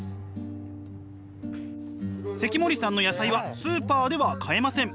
関森さんの野菜はスーパーでは買えません。